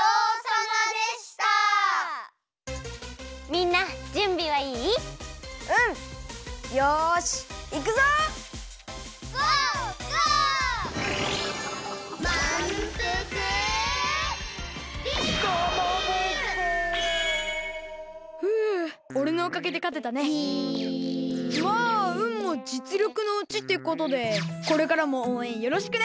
まあうんもじつりょくのうちってことでこれからもおうえんよろしくね！